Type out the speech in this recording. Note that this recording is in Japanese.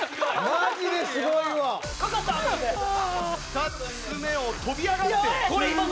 ２つ目を跳び上がって。